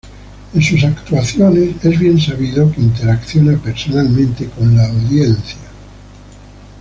En sus actuaciones, es bien sabido que interacciona personalmente con la audiencia.